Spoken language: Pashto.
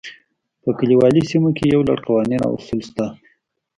په کلیوالي سیمو کې یو لړ قوانین او اصول شته دي.